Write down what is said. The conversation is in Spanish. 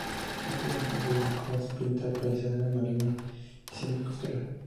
Como sus hermanos, se dedicó a pintar paisajes marinos y escenas costeras.